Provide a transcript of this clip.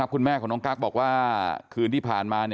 คุณแม่ของน้องกั๊กบอกว่าคืนที่ผ่านมา